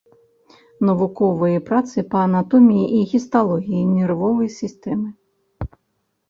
Навуковыя працы па анатоміі і гісталогіі нервовай сістэмы.